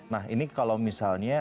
nah ini kalau misalnya